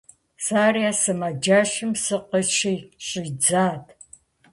Сэри а сымаджэщым сыкъыщыщӏидзат.